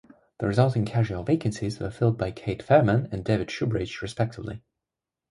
The resulting casual vacancies were filled by Cate Faehrmann and David Shoebridge respectively.